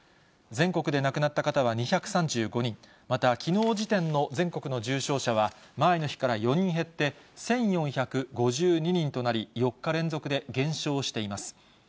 全国で亡くなった方は２３５人、またきのう時点の全国の重症者は前の日から４人減って、１４５２人となり、４日連続で減少しています。